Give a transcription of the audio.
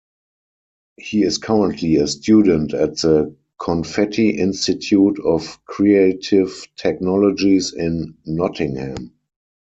He is currently a student at the Confetti Institute of Creative Technologies in Nottingham.